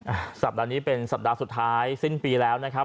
สัปดาห์นี้เป็นสัปดาห์สุดท้ายสิ้นปีแล้วนะครับ